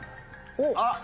あっ！